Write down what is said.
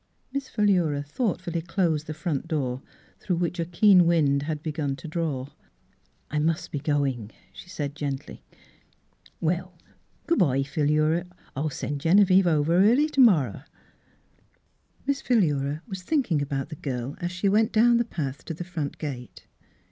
Miss Philura thoughtfully closed the front door, through which a keen wind had begun to draw. " I must be going," she said gently. " Well, good bye, Philura ; I'll send Genevieve over early t'morrow." Miss Philura was thinking about the girl as she went down the path to the front gate.